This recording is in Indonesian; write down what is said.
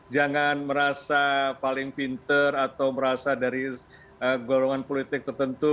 jangan merasa paling pinter atau merasa dari golongan politik tertentu